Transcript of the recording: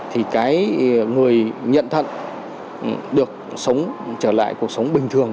thì cái người nhận thận được sống trở lại cuộc sống bình thường